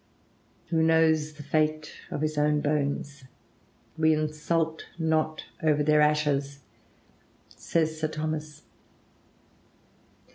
"Who knows the fate of his own bones? ... We insult not over their ashes," says Sir Thomas.